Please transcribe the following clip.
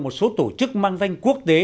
một số tổ chức mang danh quốc tế